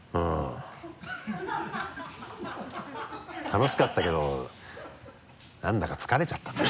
楽しかったけど何だか疲れちゃったな。